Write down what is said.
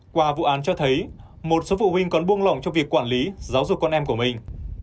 qua vụ án cho thấy một số phụ huynh còn buông lỏng trong việc quản lý giáo dục con em của mình